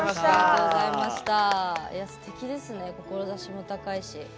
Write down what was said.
すてきですね志も高いし。